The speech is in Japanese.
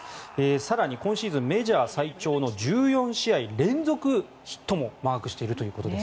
更に今シーズンメジャー最長の１４試合連続ヒットもマークしているということです。